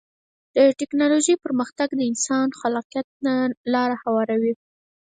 د ټکنالوجۍ پرمختګ د انسان خلاقیت ته لاره هواروي.